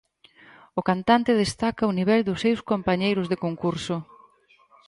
O cantante destaca o nivel dos seus compañeiros de concurso.